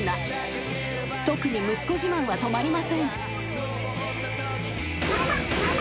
［特に息子自慢は止まりません］